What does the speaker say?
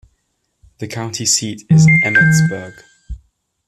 The county seat is Emmetsburg.